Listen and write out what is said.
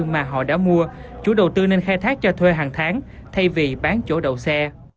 mà họ đã mua chủ đầu tư nên khai thác cho thuê hàng tháng thay vì bán chỗ đầu xe